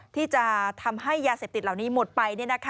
ที่จะทำให้ยาเสพติดเหล่านี้หมดไป